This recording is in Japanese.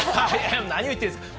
何を言ってるんですか。